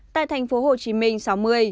tại thành phố hồ chí minh sáu mươi